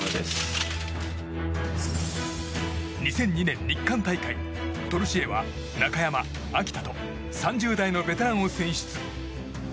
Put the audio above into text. ２００２年、日韓大会トルシエは中山、秋田と３０代のベテランを選出。